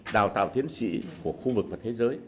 đào tạo tiến sĩ của khu vực và thế giới